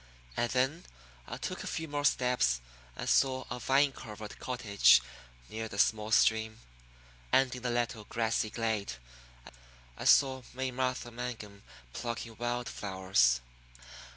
And then I took a few more steps and saw a vine covered cottage near the small stream. And in a little grassy glade I saw May Martha Mangum plucking wild flowers.